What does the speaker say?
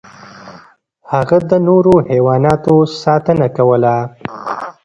هغه د نورو حیواناتو ساتنه کوله.